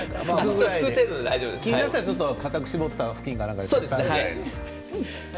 気になったらかたく絞った布巾か何かで。